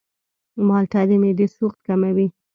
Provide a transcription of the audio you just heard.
مالټه د معدې سوخت کموي.